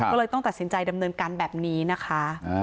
ก็เลยต้องตัดสินใจดำเนินการแบบนี้นะคะ